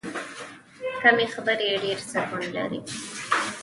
کمې خبرې، ډېر سکون لري.